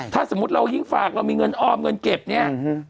ถ้าสมมุติเรายิ่งฝากเรามีเงินออมเงินเก็บเนี่ย